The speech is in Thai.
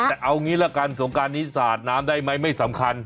แต่เอางี้ละกันสงการนี้สาดน้ำได้ไหมไม่สำคัญ